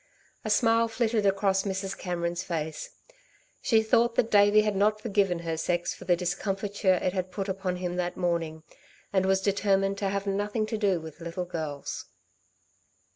A smile flitted across Mrs. Cameron's face. She thought that Davey had not forgiven her sex for the discomfiture it had put upon him that morning, and was determined to have nothing to do with little girls.